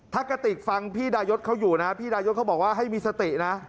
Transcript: ถ้ากระติกฟังพี่ดายศเขาอยู่นะพี่ดายศเขาบอกว่าให้มีสตินะ